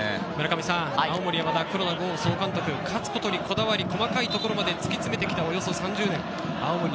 青森山田・黒田剛総監督、勝つことにこだわり、細かいところまで突き詰めできて、およそ３０年。